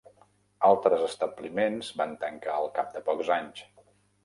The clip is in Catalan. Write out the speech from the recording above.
Altres establiments van tancar al cap de pocs anys.